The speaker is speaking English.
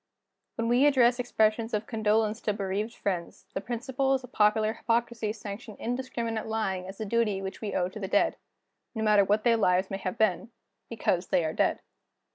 When we address expressions of condolence to bereaved friends, the principles of popular hypocrisy sanction indiscriminate lying as a duty which we owe to the dead no matter what their lives may have been because they are dead.